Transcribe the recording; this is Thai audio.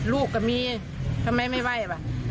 ลูกก็มีทำไมไม่ไหว้ว่ะ